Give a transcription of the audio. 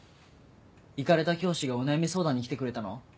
イカれた教師がお悩み相談に来てくれたの？